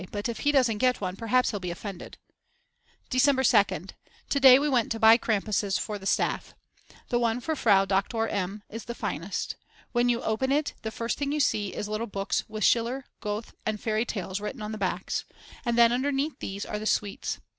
But if he doesn't get one perhaps he'll be offended. December 2nd. To day we went to buy Krampuses for the staff. The one for Frau Doktor M. is the finest. When you open it the first thing you see is little books with Schiller, Goethe, and Fairy Tales written on the backs, and then underneath these are the sweets.